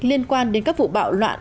liên quan đến các vụ bạo loạn